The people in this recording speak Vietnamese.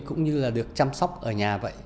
cũng như là được chăm sóc ở nhà vậy